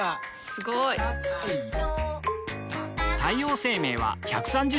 すごい！太陽生命は１３０周年